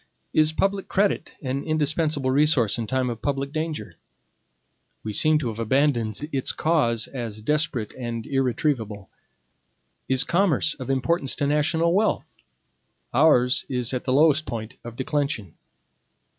Is public credit an indispensable resource in time of public danger? We seem to have abandoned its cause as desperate and irretrievable. Is commerce of importance to national wealth? Ours is at the lowest point of declension.